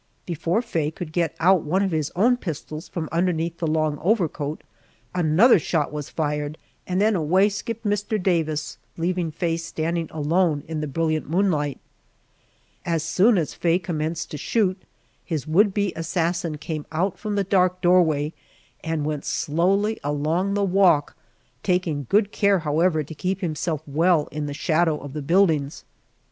Before Faye could get out one of his own pistols from underneath the long overcoat, another shot was fired, and then away skipped Mr. Davis, leaving Faye standing alone in the brilliant moonlight. As soon as Faye commenced to shoot, his would be assassin came out from the dark doorway and went slowly along the walk, taking good care, however, to keep himself well in the shadow of the buildings.